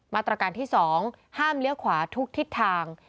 มาตรการที่๒ห้ามเลี้ยวขวาทุกทิศทาง